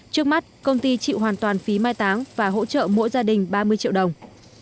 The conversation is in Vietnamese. trước mắt công ty chịu hoàn toàn phí mai táng và hỗ trợ mỗi gia đình ba mươi triệu đồng